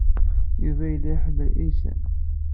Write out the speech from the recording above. Yuba yella iḥemmel iysan.